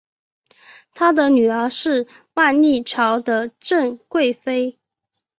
他的女儿是万历朝的郑贵妃。